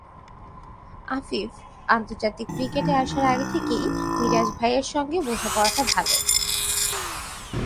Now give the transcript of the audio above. আফিফ: আন্তর্জাতিক ক্রিকেটে আসার আগে থেকেই মিরাজ ভাইয়ের সঙ্গে বোঝাপড়াটা ভালো।